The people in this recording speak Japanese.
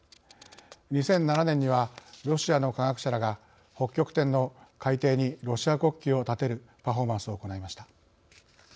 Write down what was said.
２００７年にはロシアの科学者らが北極点の海底にロシア国旗を立てるパフォーマンスを行いました。